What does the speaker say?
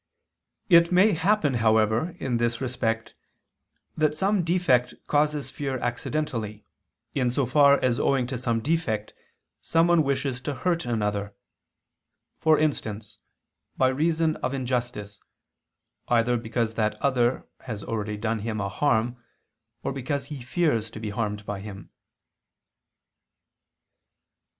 It may happen, however, in this respect, that some defect causes fear accidentally, in so far as owing to some defect someone wishes to hurt another; for instance, by reason of injustice, either because that other has already done him a harm, or because he fears to be harmed by him.